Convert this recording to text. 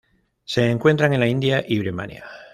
Se encuentra en la India y Birmania.